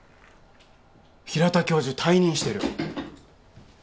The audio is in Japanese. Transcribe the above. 平田教授退任してる。